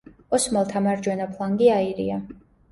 ოსმალთა მარჯვენა ფლანგი აირია.